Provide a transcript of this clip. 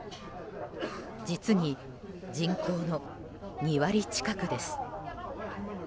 実に人口の２割近くです。